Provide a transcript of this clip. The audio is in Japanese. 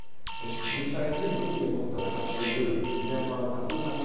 実際に武器を持って戦っているミャンマーの多数派民族